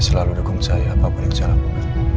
selalu dukung saya apapun yang saya lakukan